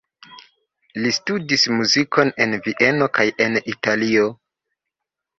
Li studis muzikon en Vieno kaj en Italio.